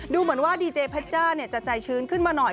ดูเหมือนว่าดีเจเพชจ้าจะใจชื้นขึ้นมาหน่อย